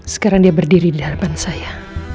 sekarang dia berdiri di hadapan saya